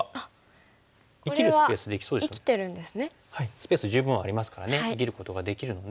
スペース十分ありますからね生きることができるので。